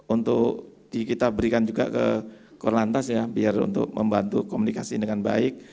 untuk kita berikan juga ke korlantas ya biar untuk membantu komunikasi dengan baik